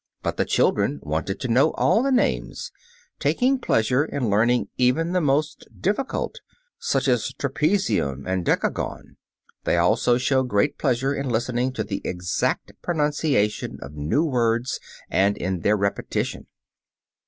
But the children wanted to know all the names, taking pleasure in learning even the most difficult, such as trapezium, and decagon. They also show great pleasure in listening to the exact pronunciation of new words and in their repetition.